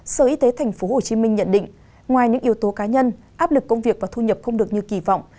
sở y tế tp hcm nhận định ngoài những yếu tố cá nhân áp lực công việc và thu nhập không được như kỳ vọng